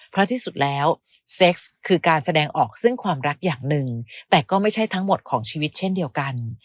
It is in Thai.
เพราะที่สุดแล้วเซ็กซ์คือการแสดงออกซึ่งความรักอย่างหนึ่งแต่ก็ไม่ใช่ทั้งหมดของชีวิตเช่นเดียวกัน